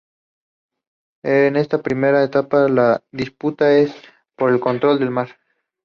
En esta primera etapa la disputa es por el control del mar.